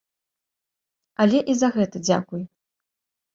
Але і за гэта дзякуй.